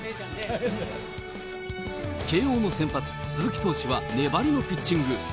慶応の先発、鈴木投手は粘りのピッチング。